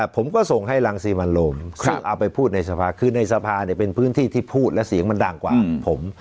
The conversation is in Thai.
ผมก็ส่งให้รังสิมันโรมซึ่งเอาไปพูดในสภาคือในสภาเป็นพื้นที่ที่พูดและเสียงมันดังกว่าผม